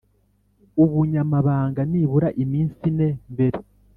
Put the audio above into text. Ubunyamabanga nibura iminsi ine mbere